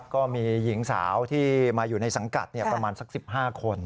ก็มีหญิงสาวที่มาอยู่ในสังกัดประมาณสัก๑๕คน